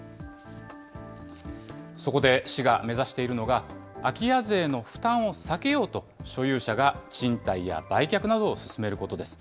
そこで、市が目指しているのが、空き家税の負担を避けようと、所有者が賃貸や売却などを進めることです。